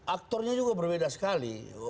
aktornya juga berbeda sekali